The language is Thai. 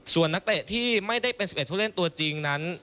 ส่วนนักเตะที่ไม่ได้เป็น๑๑ผู้เล่นตัวจริงนั้น